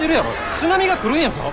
津波が来るんやぞ。